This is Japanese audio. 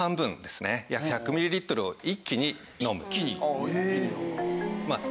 約１００ミリリットルを一気に飲む。